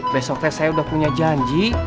besoknya saya sudah punya janji